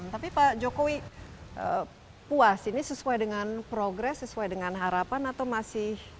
tapi pak jokowi puas ini sesuai dengan progres sesuai dengan harapan atau masih